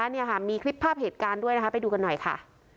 นี่ค่ะมีคลิปภาพเหตุการณ์ด้วยนะคะไปดูกันหน่อยค่ะ